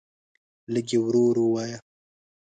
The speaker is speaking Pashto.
لږ یی ورو ورو وایه